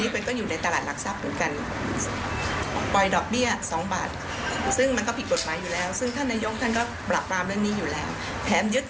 เพราะทรัพย์สินที่ฉันไม่เหลืออะไรอีกแล้วค่ะ